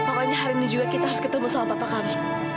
pokoknya harini juga kita harus ketemu sama papa kami